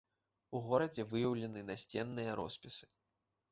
У горадзе выяўлены насценныя роспісы.